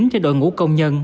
cho đội ngũ công nhân